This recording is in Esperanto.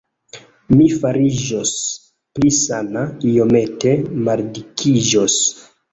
Mi fariĝos pli sana, iomete maldikiĝos.